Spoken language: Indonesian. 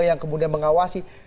yang kemudian mengawasi